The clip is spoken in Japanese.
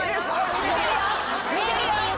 見てるよ。